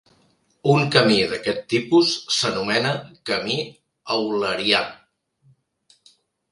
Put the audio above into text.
Un camí d'aquest tipus s'anomena camí eulerià.